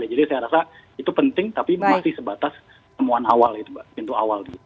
jadi saya rasa itu penting tapi masih sebatas temuan awal itu mbak pintu awal